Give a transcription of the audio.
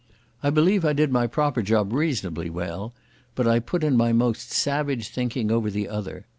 I believe I did my proper job reasonably well, but I put in my most savage thinking over the other.